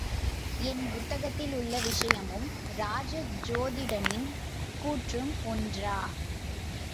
என் புத்தகத்தில் உள்ள விஷயமும், ராஜ சோதிடனின் கூற்றும் ஒன்றா?